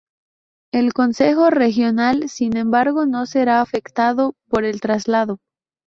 El Consejo regional, sin embargo no será afectado por el traslado.